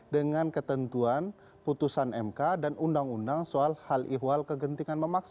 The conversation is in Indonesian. dengan ketentuan putusan mk dan undang undang soal hal ihwal kegentingan memaksa